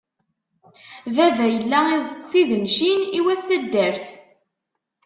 Baba yella izeṭṭ tidencin i wat taddart.